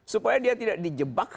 supaya dia tidak dijebak